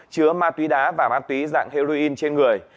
chứa ma túy đá và ma túy dạng heroin trên người